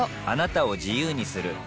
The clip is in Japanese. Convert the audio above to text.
あなたを自由にする